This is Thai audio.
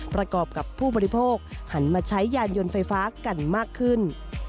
ประกอบกับผู้บริโภคหันมาใช้ยานยนต์ไฟฟ้ากันมากขึ้น